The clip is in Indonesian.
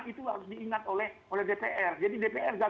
itu harus diingat oleh dpr jadi dpr gagal